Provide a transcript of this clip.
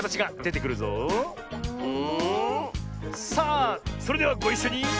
さあそれではごいっしょに！